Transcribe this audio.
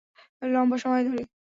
লম্বা সময় ধরে।